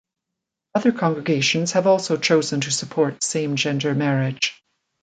Other congregations have also chosen to support same-gender marriage.